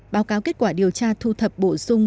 báo cáo kết quả điều tra thu thập bổ sung